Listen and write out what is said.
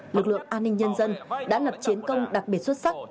lực lượng an ninh nhân dân đã lập chiến công đặc biệt xuất sắc